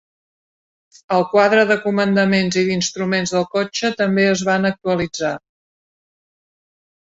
El quadre de comandaments i d'instruments del cotxe també es van actualitzar.